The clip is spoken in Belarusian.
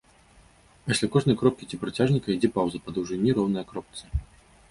Пасля кожнай кропкі ці працяжніка ідзе паўза, па даўжыні роўная кропцы.